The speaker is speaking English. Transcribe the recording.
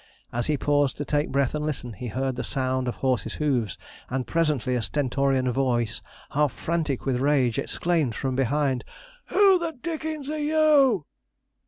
As he paused to take breath and listen, he heard the sound of horses' hoofs, and presently a stentorian voice, half frantic with rage, exclaimed from behind: 'WHO THE DICKENS ARE YOU?'